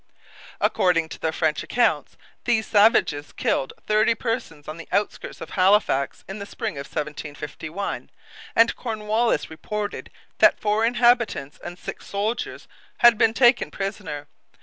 According to the French accounts, these savages killed thirty persons on the outskirts of Halifax in the spring of 1751, and Cornwallis reported that four inhabitants and six soldiers had been taken prisoners.